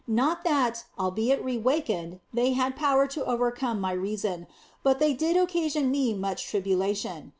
Not that albeit re awakened they had power to overcome my reason, but they did occasion me much tribulation.